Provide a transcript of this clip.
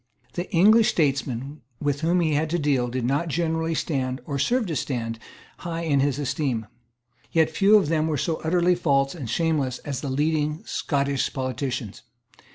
The English statesmen with whom he had to deal did not generally stand or serve to stand high in his esteem. Yet few of them were so utterly false and shameless as the leading Scottish politicians.